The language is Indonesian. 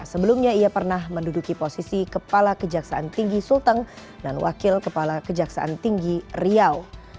sebelumnya ia pernah menduduki posisi kepala kejaksaan tinggi sulteng dan wakil kepala kejaksaan tinggi riau